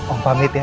om pamit ya